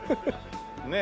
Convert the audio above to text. ねえ。